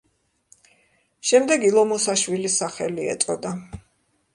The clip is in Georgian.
შემდეგ ილო მოსაშვილის სახელი ეწოდა.